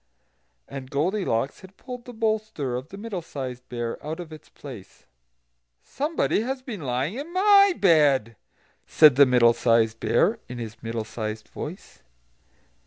And Goldilocks had pulled the bolster of the Middle sized Bear out of its place. "SOMEBODY HAS BEEN LYING IN MY BED!" said the Middle sized Bear, in his middle sized voice.